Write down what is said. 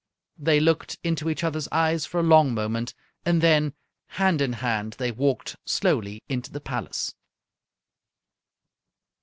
They looked into each other's eyes for a long moment. And then, hand in hand, they walked slowly into the palace.